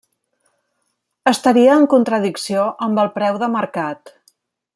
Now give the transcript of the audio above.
Estaria en contradicció amb el preu de mercat.